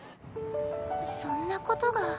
そんなことが。